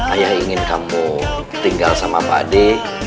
ayah ingin kamu tinggal sama pakde